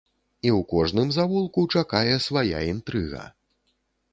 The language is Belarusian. І ў кожным завулку чакае свая інтрыга.